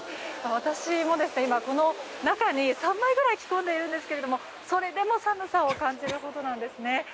私も今、この中に３枚ぐらい着込んでいるんですけれどもそれでも寒さを感じるほどなんですね。